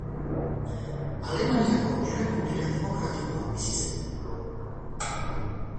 Alemaniako Errepublika Demokratikoan bizi zen.